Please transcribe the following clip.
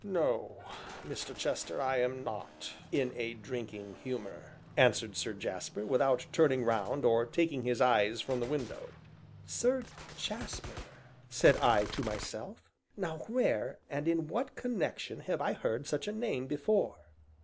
"No, Mr. Chester, I am not in a drinking humor," answered Sir Jasper, without turning round, or taking his eyes from the window. "Sir Jasper?" said I to myself, "now where, and in what connection, have I heard such a name before?"